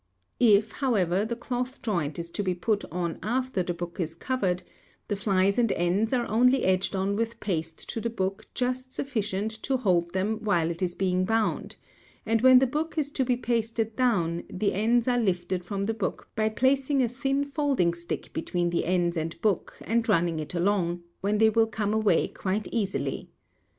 If, however, the cloth joint is to be put on after the book is covered, the flys and ends are only edged on with paste to the book just sufficient to hold them while it is being bound; and when the book is to be pasted down, the ends are lifted from the book by placing a thin folding stick between the ends and book and running it along, when they will come away quite easily.